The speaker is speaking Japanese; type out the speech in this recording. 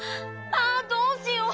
あどうしよう！